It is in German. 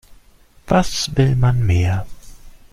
Was will man mehr?